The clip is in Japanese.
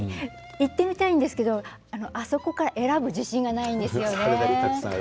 行ってみたいんですけどあそこから選ぶ自信がないんですよね。